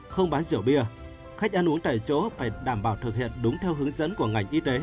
không bán rượu bia khách ăn uống tại chỗ phải đảm bảo thực hiện đúng theo hướng dẫn của ngành y tế